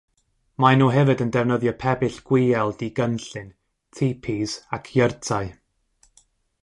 Maen nhw hefyd yn defnyddio pebyll gwiail digynllun, tipis ac iyrtau.